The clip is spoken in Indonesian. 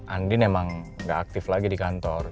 andin emang gak aktif lagi di kantor